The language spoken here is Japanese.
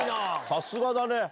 さすがだね！